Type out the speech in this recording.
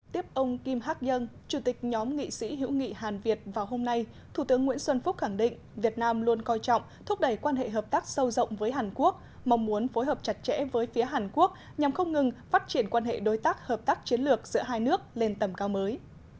tiếp ông kim hạc dân chủ tịch nhóm nghị sĩ hữu nghị hàn việt vào hôm nay thủ tướng nguyễn xuân phúc khẳng định việt nam luôn coi trọng thúc đẩy quan hệ hợp tác sâu rộng với hàn quốc mong muốn phối hợp chặt chẽ với phía hàn quốc nhằm không ngừng phát triển quan hệ đối tác hợp tác chiến lược giữa hai nước lên tầm cao mới